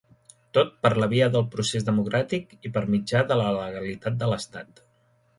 Tot per la via del procés democràtic i per mitjà de la legalitat de l'Estat.